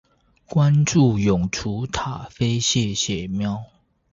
關註永雛塔菲謝謝喵